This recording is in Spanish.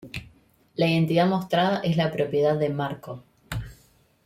La identidad mostrada es la propiedad de Márkov.